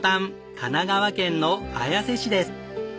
神奈川県の綾瀬市です。